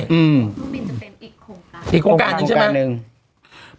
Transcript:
เครื่องบินจะเป็นอีกโครงการอีกโครงการหนึ่งใช่ไหมอีกโครงการหนึ่ง